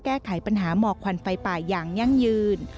แก้ไขปัญหาเหมาะฝันไฟป่ายางยั่งยืน